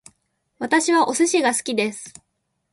私はお寿司が好きです